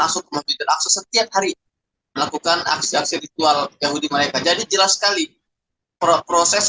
setiap hari melakukan aksi aksi ritual yahudi mereka jadi jelas sekali proses